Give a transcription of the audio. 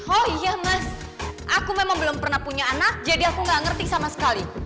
oh iya mas aku memang belum pernah punya anak jadi aku nggak ngerti sama sekali